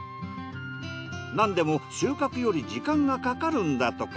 なんでも収穫より時間がかかるんだとか。